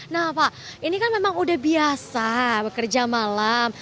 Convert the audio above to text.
nah pak ini kan memang udah biasa bekerja malam